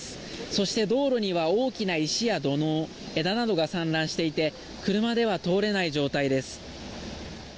そして道路には大きな石や土のう枝などが散乱していて車では通れない状態です。